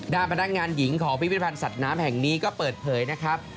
ด้านพนักงานหญิงของพิพิธภัณฑ์สัตว์น้ำแห่งนี้ก็เปิดเผยนะครับ